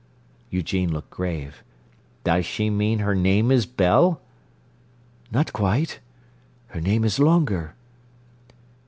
Eugene looked grave. "Does she mean her name is Belle?" "Not quite. Her name is longer."